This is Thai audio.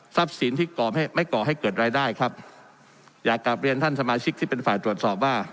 สินที่ก่อไม่ไม่ก่อให้เกิดรายได้ครับอยากกลับเรียนท่านสมาชิกที่เป็นฝ่ายตรวจสอบว่า